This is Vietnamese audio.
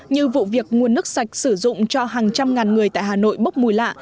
như vụ việc nguồn nước sạch sử dụng cho hàng trăm ngàn người tại hà nội bốc mùi lạ